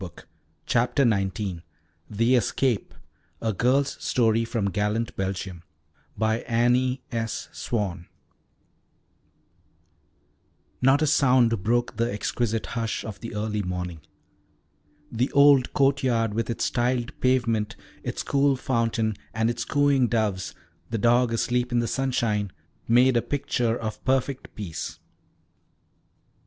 [Illustration THE ESCAPE A GIRL'S STORY FROM GALLANT BELGIUM BY ANNIE S. SWAN Drawings by HAROLD EARNSHAW Not a sound broke the exquisite hush of the early morning. The old courtyard, with its tiled pavement, its cool fountain, and its cooing doves, the dog asleep in the sunshine, made a picture of perfect peace.